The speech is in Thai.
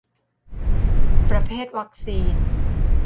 ประเภทวัคซีน